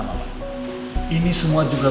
yang kuidat si jinyuh gitu